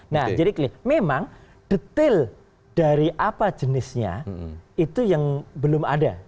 nah jadi memang detail dari apa jenisnya itu yang belum ada